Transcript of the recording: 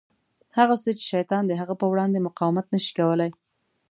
هغه څه چې شیطان د هغه په وړاندې مقاومت نه شي کولای.